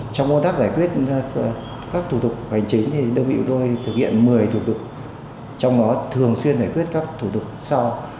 trong công tác giải quyết các thủ tục hành chính đơn vị của tôi thực hiện một mươi thủ tục trong đó thường xuyên giải quyết các thủ tục sau